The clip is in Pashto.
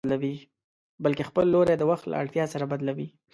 بلکې خپل لوری د وخت له اړتيا سره بدلوي.